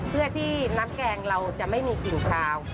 เพื่อที่น้ำแกงเราจะไม่มีกลิ่นคาว